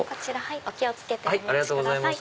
お気を付けてお持ちください。